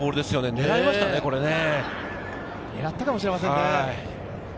狙ったかもしれませんね。